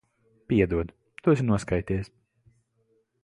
Piedod. Tu esi noskaities.